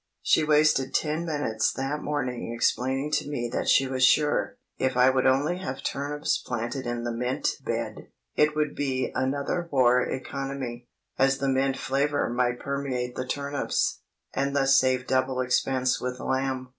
She wasted ten minutes that morning explaining to me that she was sure, if I would only have turnips planted in the mint bed, it would be another war economy, as the mint flavour might permeate the turnips, and thus save double expense with lamb.